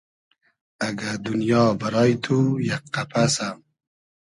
اگۂ دونیا بئرای تو یئگ قئپئسۂ